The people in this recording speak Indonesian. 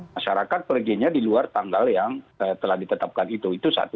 masyarakat perginya di luar tanggal yang telah ditetapkan itu satu